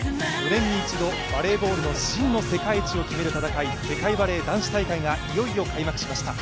４年に一度、バレーボールの真の世界一を決める戦い、世界バレー男子大会がいよいよ開幕しました。